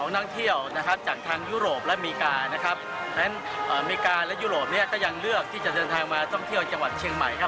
ดังนั้นอเมริกาและยุโรปเนี่ยก็ยังเลือกที่จะเดินทางมาท่องเที่ยวจังหวัดเชียงใหม่ครับ